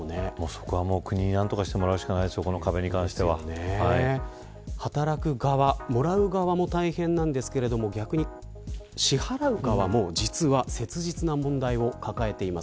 そこは国に何とかしてもらうしか働く側、もらう側も大変なんですが逆に、支払う側も実は、切実な問題を抱えています。